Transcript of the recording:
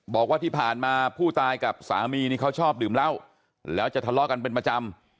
บอกว่าที่ผ่านมาผู้ตายกับสามีนี่เขาชอบดื่มเหล้าแล้วจะทะเลาะกันเป็นประจำ